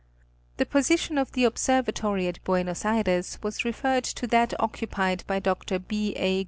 The position of the observatory at Buenos Ayres was referred to that occupied by Dr. B. A.